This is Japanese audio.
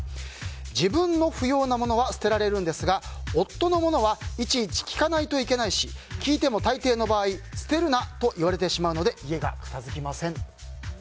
自分の不要なものは捨てられるんですが夫のものはいちいち聞かないといけないし聞いてもたいていの場合捨てるなと言われてしまうので家が片付きません。